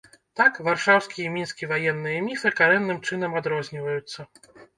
Так, варшаўскі і мінскі ваенныя міфы карэнным чынам адрозніваюцца.